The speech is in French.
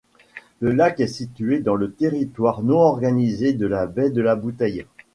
Ce lac est situé dans le territoire non organisé de la Baie-de-la-Bouteille.